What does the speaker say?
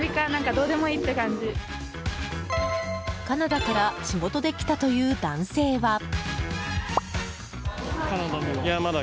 カナダから仕事で来たという男性は。